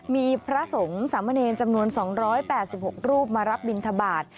มีพระสงฆ์สามเณรจำนวน๒๘๖รูปมารับบินทบาท